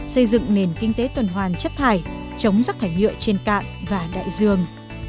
xây dựng nền kinh tế tuần hoàn chất thải chống rắc thải nhựa trên cạn và đại dương